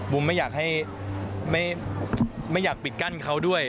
ไม่อยากให้ไม่อยากปิดกั้นเขาด้วย